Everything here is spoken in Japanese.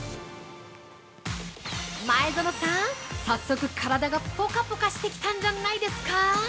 前園さん、早速、体がぽかぽかしてきたんじゃないですか？